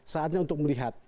saatnya untuk melihat